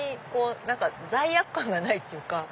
何か罪悪感がないっていうか。